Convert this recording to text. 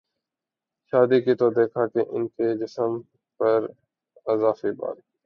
شادی کی تو دیکھا کہ ان کے جسم پراضافی بال